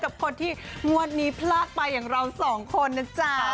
กับคนที่งวดนี้พลาดไปอย่างเราสองคนนะจ๊ะ